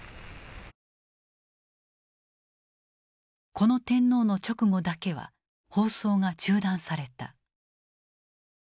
この天皇の勅語だけは放送が中断された。